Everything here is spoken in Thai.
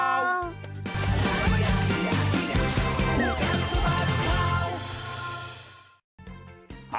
คู่กันสมัตย์คลาว